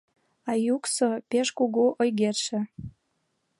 А йӱксӧ: «Пеш кугу ойгетше!